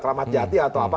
keramat jati atau apa